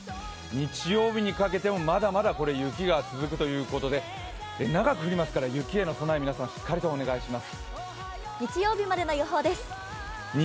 日曜日にかけてもまだまだ雪が続くということで長く降りますから、雪への備えをしっかりとお願いします。